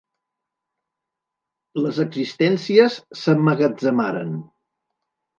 Les existències s'emmagatzemaren.